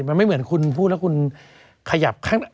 มันไม่เหมือนคุณพูดแล้วคุณขยับข้าง